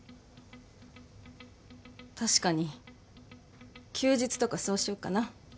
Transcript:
確かに休日とかそうしよっかな。